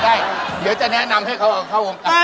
เดี๋ยวจะแนะนำให้เขาเข้าวงการ